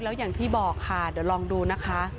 แล้วอย่างที่บอกค่ะเดี๋ยวลองดูนะคะ